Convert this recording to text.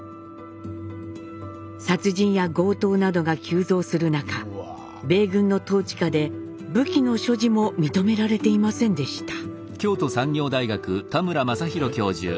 殺人や強盗などが急増する中米軍の統治下で武器の所持も認められていませんでした。